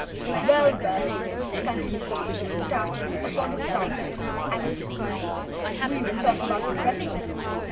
"Well, well," he continued, starting upon his task with avidity, "we will talk about him presently.